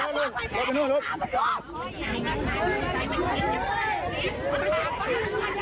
มันปกป่อนไข้นั่นเลย